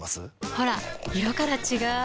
ほら色から違う！